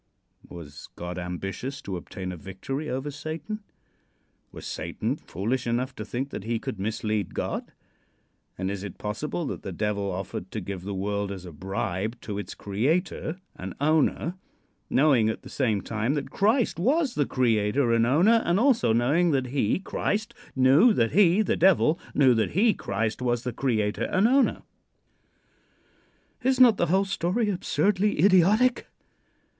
Was God ambitious to obtain a victory over Satan? Was Satan foolish enough to think that he could mislead God, and is it possible that the Devil offered to give the world as a bribe to its creator and owner, knowing at the same time that Christ was the creator and owner, and also knowing that he (Christ) knew that he (the Devil) knew that he (Christ) was the creator and owner? Is not the whole story absurdly idiotic?